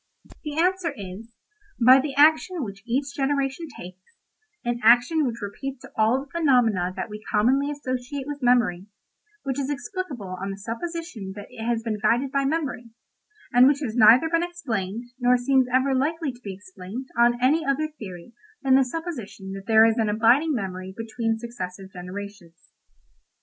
"The answer is: 'By the action which each generation takes—an action which repeats all the phenomena that we commonly associate with memory—which is explicable on the supposition that it has been guided by memory—and which has neither been explained, nor seems ever likely to be explained on any other theory than the supposition that there is an abiding memory between successive generations.